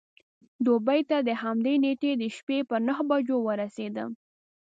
دوبۍ ته د همدې نېټې د شپې پر نهو بجو ورسېدم.